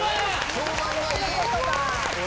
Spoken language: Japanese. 評判がいい。